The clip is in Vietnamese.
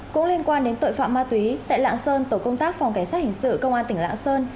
cũng liên quan đến tội phạm ma túy tại lạng sơn tổ công tác phòng cảnh sát hình sự công an tỉnh lạng sơn